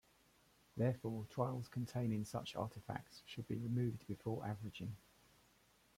Therefore, trials containing such artifacts should be removed before averaging.